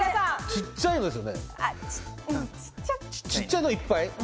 ちっちゃいのをいっぱい？